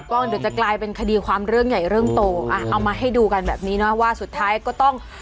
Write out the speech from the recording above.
ก็เดี๋ยวจะกลายเป็นคดีความเรื่องใหญ่เรื่องโตอ่ะเอามาให้ดูกันแบบนี้เนอะว่าสุดท้ายก็ต้อง